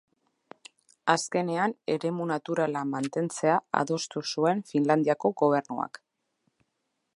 Azkenean eremu naturala mantentzea adostu zuen Finlandiako Gobernuak.